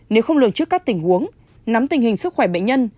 nếu không lường trước các tình huống nắm tình hình sức khỏe bệnh nhân